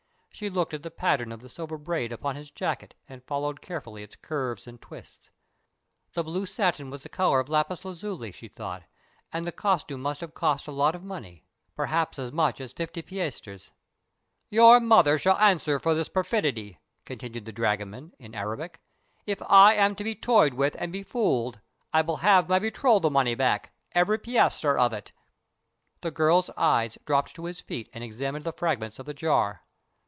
She looked at the pattern of the silver braid upon his jacket and followed carefully its curves and twists. The blue satin was the color of lapis lazuli, she thought, and the costume must have cost a lot of money perhaps as much as fifty piasters. "Your mother shall answer for this perfidy," continued the dragoman, in Arabic. "If I am to be toyed with and befooled, I will have my betrothal money back every piaster of it!" The girl's eyes dropped to her feet and examined the fragments of the jar.